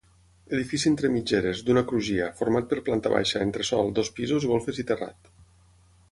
Edifici entre mitgeres, d'una crugia, format per planta baixa, entresòl, dos pisos, golfes i terrat.